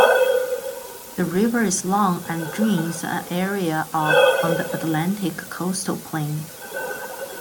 The river is long and drains an area of on the Atlantic Coastal Plain.